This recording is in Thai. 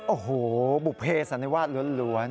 โอ้โหบุเภสันนิวัฒน์ล้วน